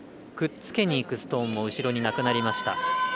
くっつけにいくストーンも後ろになくなりました。